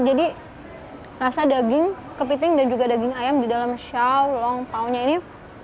jadi rasa daging kepiting dan juga daging ayam di dalam xiaolong pao nya ini